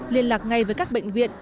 liên lạc ngay với các bệnh viện